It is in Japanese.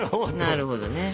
なるほどね。